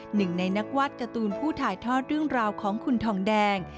หนึ่งในนักวาดการ์ตูนผู้ถ่ายทอดเรื่องราวของคุณทองแดง